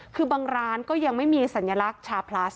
คือบางร้านก็ยังไม่มีสัญลักษณ์ชาพลัส